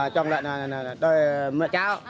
trong là cho mẹ cháu